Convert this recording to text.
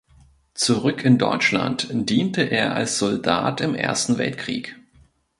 Zurück in Deutschland diente er als Soldat im Ersten Weltkrieg.